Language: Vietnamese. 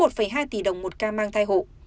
một hai tỷ đồng một ca mang thai hộ